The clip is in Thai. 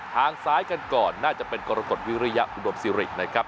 ทางซ้ายกันก่อนน่าจะเป็นกรกฎวิริยะอุดมสิรินะครับ